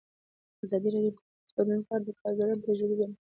ازادي راډیو د ټولنیز بدلون په اړه د کارګرانو تجربې بیان کړي.